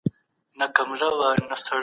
اوسنی ابهام تر تېر ابهام بايد کم سي.